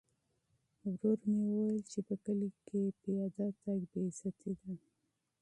ورور مې وویل چې په کلي کې پیاده تګ بې عزتي ده.